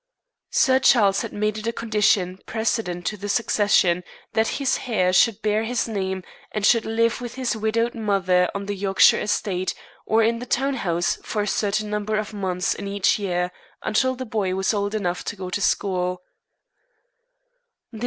Sir Charles had made it a condition precedent to the succession that his heir should bear his name, and should live with his widowed mother on the Yorkshire estate, or in the town house, for a certain number of months in each year, until the boy was old enough to go to school.